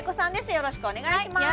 よろしくお願いします